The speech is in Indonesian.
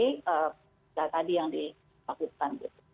data tadi yang dipakai